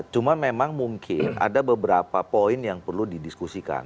cuma memang mungkin ada beberapa poin yang perlu didiskusikan